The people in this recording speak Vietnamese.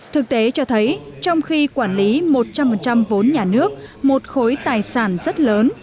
thực tế cho thấy trong khi quản lý một trăm linh vốn nhà nước một khối tài sản rất lớn